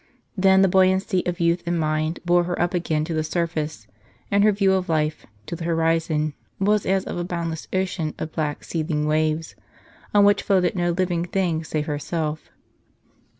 Then the buoyancy of youth and mind bore her up again to the surface ; and her view of life, to the horizon, was as of a boundless ocean of black seething waves, on which floated no living thing save herself.